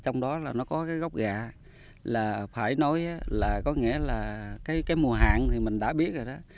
nó có cái gốc gạ là phải nói là có nghĩa là cái mùa hạn thì mình đã biết rồi đó